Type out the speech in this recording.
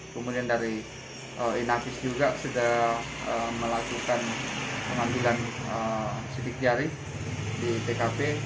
kemudian dari inavis juga sudah melakukan pengambilan sidik jari di tkp